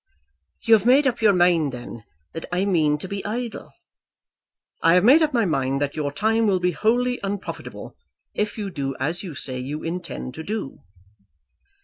"You have made up your mind, then, that I mean to be idle?" "I have made up my mind that your time will be wholly unprofitable, if you do as you say you intend to do."